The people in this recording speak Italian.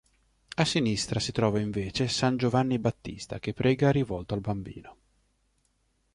A sinistra si trova invece san Giovanni Battista che prega rivolto al bambino.